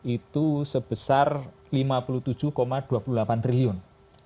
itu sebesar rp lima puluh tujuh dua puluh delapan triliun